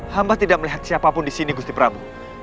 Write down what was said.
hamba tidak melihat siapapun disini gusti prabu